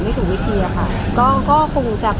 ภาษาสนิทยาลัยสุดท้าย